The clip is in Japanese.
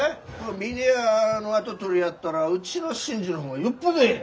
峰屋の跡取りやったらうちの伸治の方がよっぽどえい！